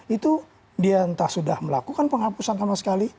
itu dia entah sudah melakukan penghapusan sama sekali